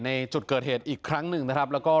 ในจุดเกิดเหตุอีกครั้งหนึ่งนะครับแล้วก็